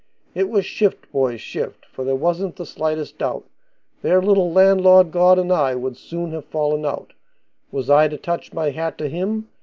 It was shift, boys, shift, for there wasn't the slightest doubt Their little landlord god and I would soon have fallen out; Was I to touch my hat to him?